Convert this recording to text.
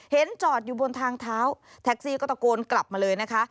จอดอยู่บนทางเท้าแท็กซี่ก็ตะโกนกลับมาเลยนะคะ